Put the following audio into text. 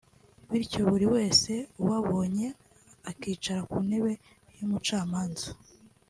bityo buri wese ubabonye akicara ku ntebe y’umucamanza